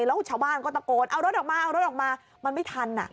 แล้วชาวบ้านก็ตะโกนเอารถออกมามันไม่ทัน